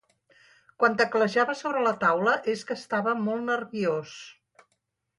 Quan teclejava sobre la taula és que estava molt nerviós.